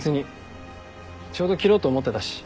ちょうど切ろうと思ってたし。